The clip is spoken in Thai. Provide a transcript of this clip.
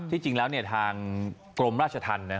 ที่จริงแล้วเนี่ยทางกรมราชธรรมเนี่ย